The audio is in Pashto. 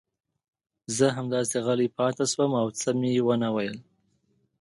زه همداسې غلی پاتې شوم او څه مې ونه ویل.